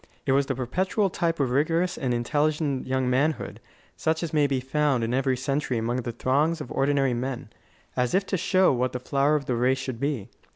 It was the perpetual type of vigorous and intelligent young manhood, such as may be found in every century among the throngs of ordinary men, as if to show what the flower of the race should be.